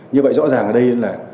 như vậy rõ ràng ở đây